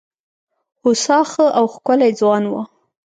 هوسا ښه او ښکلی ځوان وو.